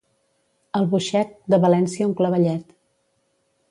Albuixec, de València un clavellet.